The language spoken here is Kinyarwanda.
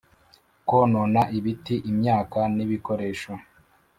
konona ibiti imyaka n ibikoresho